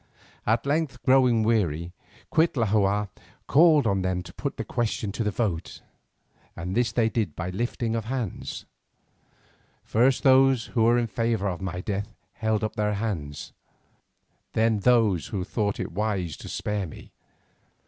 At length growing weary, Cuitlahua called on them to put the question to the vote, and this they did by a lifting of hands. First those who were in favour of my death held up their hands, then those who thought that it would be wise to spare me.